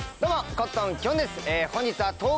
コットンきょんです。